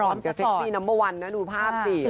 เมื่อสมัยความเกือบเท็กซี่นัมเบอร์วันนะดูภาพสิ